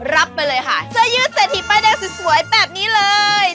รับไปเลยค่ะเสื้อยืดเศรษฐีป้ายแดงสวยแบบนี้เลย